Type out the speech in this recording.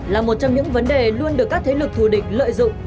là một trong những vấn đề luôn được các thế lực thù địch lợi dụng